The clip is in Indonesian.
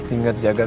ingat jaga ku